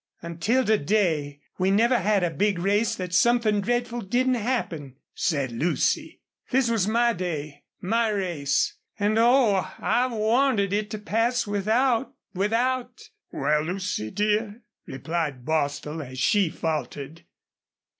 "Until to day we never had a big race that something dreadful didn't happen," said Lucy. "This was my day my race. And, oh! I wanted it to pass without without " "Wal, Lucy dear," replied Bostil, as she faltered.